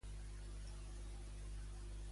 Li fa mal al clergue el que ha dit?